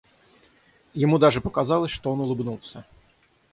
Ему даже показалось, что он улыбнулся.